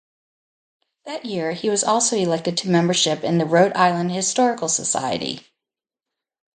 That year he was also elected to membership in the Rhode Island Historical Society.